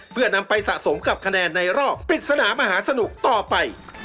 เพื่อนำไปสะสมกับคะแนนในรอบปริศนามหาสนุกต่อไป